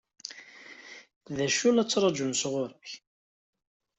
D acu i la ttṛaǧun sɣur-k?